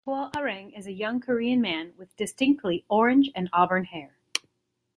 Hwoarang is a young Korean man with distinctly orange and auburn hair.